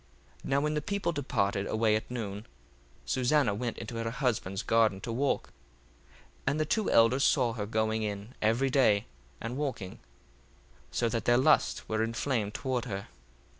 1:7 Now when the people departed away at noon, Susanna went into her husband's garden to walk. 1:8 And the two elders saw her going in every day, and walking; so that their lust was inflamed toward her.